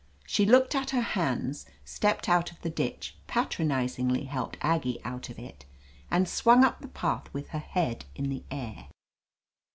She looked at her hands, stepped out of the ditch, patronizingly helped Aggie out of it, and swung up the path with her head in the air.